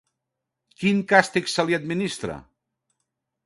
Quin càstig se li administra?